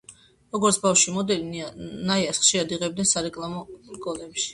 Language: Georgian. როგორც ბავშვი მოდელი, ნაიას ხშირად იღებდნენ სარეკლამო რგოლებში.